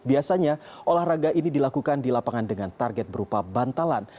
biasanya olahraga ini dilakukan di lapangan dengan target berupa bantalan